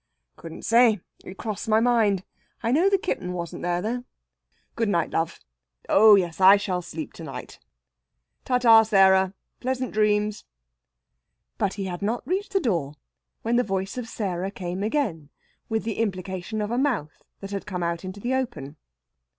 "Couldn't say. It crossed my mind. I know the kitten wasn't there, though. Good night, love.... Oh yes, I shall sleep to night. Ta, ta, Sarah pleasant dreams!" But he had not reached the door when the voice of Sarah came again, with the implication of a mouth that had come out into the open.